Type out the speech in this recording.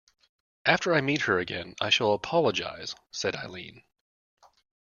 If I meet her again I shall apologize, said Eileen.